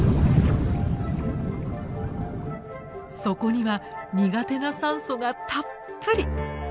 そこには苦手な酸素がたっぷり。